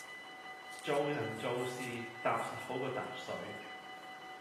做人做事，踏實好過疊水